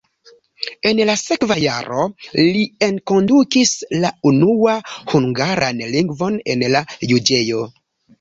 En la sekva jaro li enkondukis la unua la hungaran lingvon en la juĝejo.